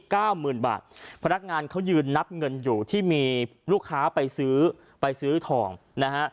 เก้าหมื่นบาทพนักงานเขายืนนับเงินอยู่ที่มีลูกค้าไปซื้อไปซื้อทองนะฮะ